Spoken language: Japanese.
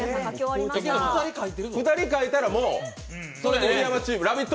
２人書いたら、もう盛山チーム、ラヴィット！